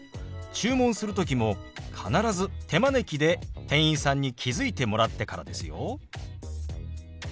注文する時も必ず手招きで店員さんに気付いてもらってからですよ。